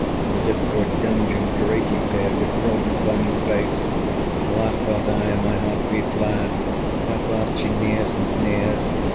As if through a dungeon grate he peered, With broad and burning face. Alas! (thought I, and my heart beat loud) How fast she nears and nears!